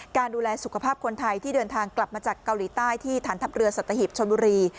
การดูแลสุขภาพคนไทยที่เดินทางกลับมาจากเกาหลีใต้ที่ฐานทัพเรือสัตหิบชนบุรี